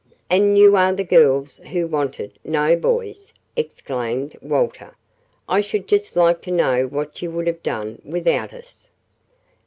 "And you are the girls who wanted 'No Boys!'" exclaimed Walter. "I should just like to know what you would have done without us?"